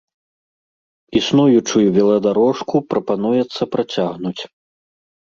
Існуючую веладарожку прапануецца працягнуць.